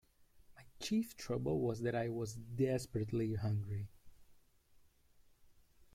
My chief trouble was that I was desperately hungry.